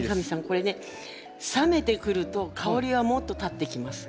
これね冷めてくると香りはもっとたってきます。